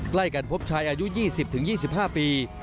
ใกล้กันพบชายอายุ๒๐๒๕ปี